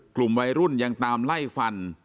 กลุ่มวัยรุ่นยังตามไล่ฟัน